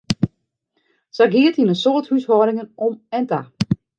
Sa gie it yn in soad húshâldingen om en ta.